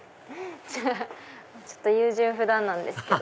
ちょっと優柔不断なんですけど。